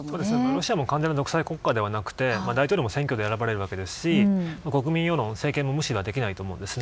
ロシアも完全な独裁国家ではなくて大統領も選挙で選ばれますし国民世論を政権も無視ができないと思うんです。